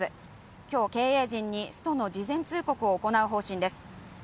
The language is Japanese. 今日経営陣にストの事前通告を行う方針です